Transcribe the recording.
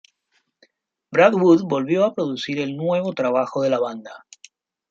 Brad Wood volvió a producir el nuevo trabajo de la banda.